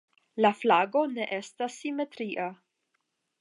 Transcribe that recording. La flago ne estas simetria.